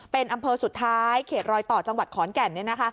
เป็นอำเภอสุดท้ายเขตรอยต่อจังหวัดขอนแก่น